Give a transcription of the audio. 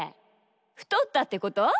ふとったってこと？